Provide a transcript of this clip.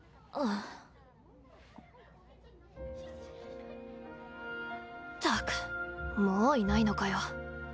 ったくもういないのかよ。